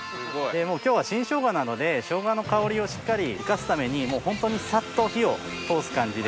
今日は新ショウガなのでショウガの香りをしっかり生かすためにホントにさっと火を通す感じで。